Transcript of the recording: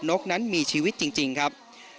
นกนั้นมีชีวิตจริงครับ